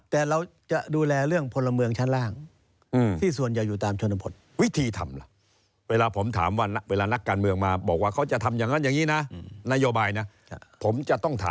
แต่เราจะดูแลเรื่องผลเมืองชั้นล่าง